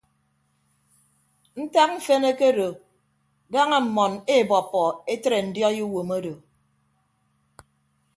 Ntak mfen ekedo daña mmọn ebọppọ etre ndiọi uwom odo.